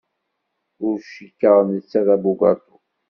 Ur cikkeɣ netta d abugaṭu.